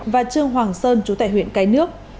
và trương hoàng sơn chú tại huyện cái nước